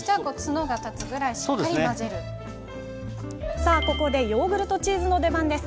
さあここでヨーグルトチーズの出番です！